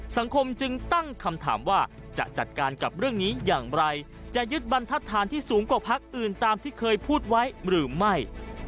สังคมจึงตั้งคำถามว่าจะจัดการกับเรื่องนี้อย่างไรจะยึดบรรทัศนที่สูงกว่าพักอื่นตามที่เคยพูดไว้หรือไม่